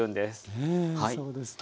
ねえそうですね。